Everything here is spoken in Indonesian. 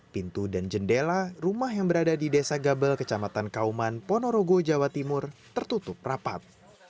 pintu dan jendela rumah yang berada di desa gabel kecamatan kauman ponorogo jawa timur tertutup rapat